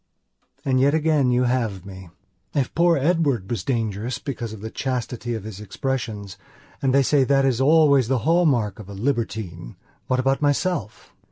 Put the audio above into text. And yet again you have me. If poor Edward was dangerous because of the chastity of his expressionsand they say that is always the hall mark of a libertinewhat about myself?